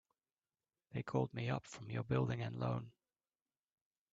They called me up from your Building and Loan.